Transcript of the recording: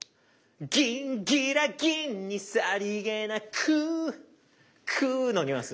「ギンギラギンにさりげなく」「くー」のニュアンス。